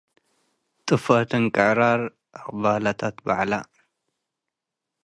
ጥፍአት እንቅዕራር ዕቅባለተ እት በዐለ።